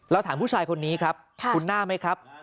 ถามผู้ชายคนนี้ครับคุณหน้าไหมครับ